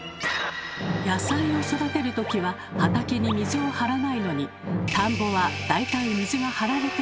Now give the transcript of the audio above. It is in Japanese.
野菜を育てるときは畑に水を張らないのに田んぼは大体水が張られていますよね。